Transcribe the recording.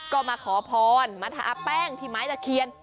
ก็มาขอพรมาทาแป้งที่ไม้ตะเคียน